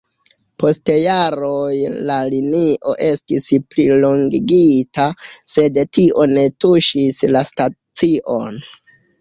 Post jaroj la linio estis plilongigita, sed tio ne tuŝis la stacion.